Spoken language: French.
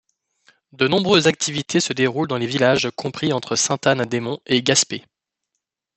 De nombreuses activités se déroulent dans les villages compris entre Sainte-Anne-des-Monts et Gaspé.